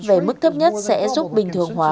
về mức thấp nhất sẽ giúp bình thường hóa